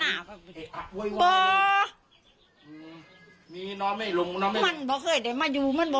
แล้วก็มีอีกการยังเราก็ลุกยัง